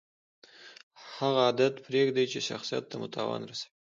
هغه عادت پرېږدئ، چي شخصت ته مو تاوان رسوي.